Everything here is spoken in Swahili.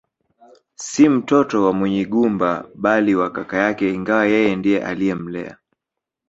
Si mtoto wa Munyigumba bali wa kaka yake ingawa yeye ndiye aliyemlea